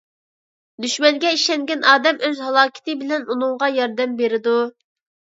دۈشمەنگە ئىشەنگەن ئادەم ئۆز ھالاكىتى بىلەن ئۇنىڭغا ياردەم بېرىدۇ.